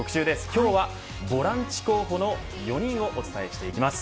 今日はボランチ候補の４人をお伝えしていきます。